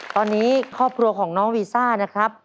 ตอนนี้ครอบครัวของน้องวีซ่านะครับ